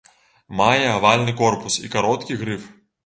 Мае авальны корпус і кароткі грыф.